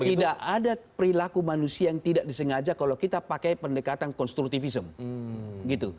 tidak ada perilaku manusia yang tidak disengaja kalau kita pakai pendekatan konstruktivism gitu